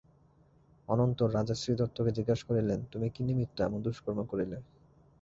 অনন্তর রাজা শ্রীদত্তকে জিজ্ঞাসা করিলেন, তুমি কি নিমিত্ত এমন দুষ্কর্ম করিলে।